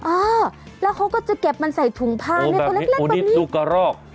อ่าแล้วเขาก็จะเก็บมันใส่ถุงผ้าเนี่ยแบบนี้อุดิตลูกกะรอก